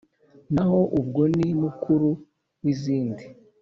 Naho ubwo ni mukura w' izindi